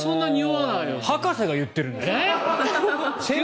洗濯ハカセが言ってるんだから。